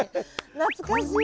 懐かしい。